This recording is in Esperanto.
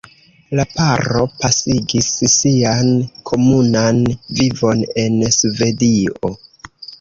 La paro pasigis sian komunan vivon en Svedio.